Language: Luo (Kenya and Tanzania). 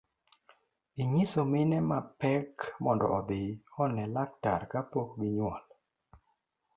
Inyiso mine mapek mondo odhi one laktar kapok ginyuol.